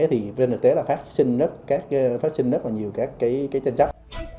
thì trên thực tế là phát sinh rất nhiều các cái tranh chấp